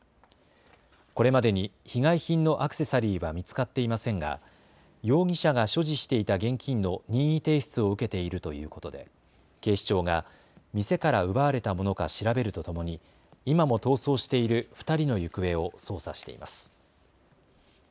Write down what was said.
これまでに被害品のアクセサリーは見つかっていませんが容疑者が所持していた現金の任意提出を受けているということで警視庁が店から奪われたものか調べるとともに今も逃走している２人の行方を捜査しています。